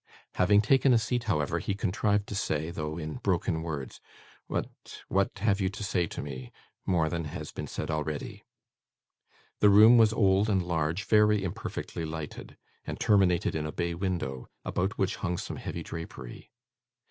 Having taken a seat, however, he contrived to say, though in broken words, 'What what have you to say to me more than has been said already?' The room was old and large, very imperfectly lighted, and terminated in a bay window, about which hung some heavy drapery.